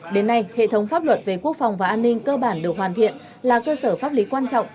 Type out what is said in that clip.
đến nay hệ thống pháp luật về quốc phòng và an ninh cơ bản được hoàn thiện là cơ sở pháp lý quan trọng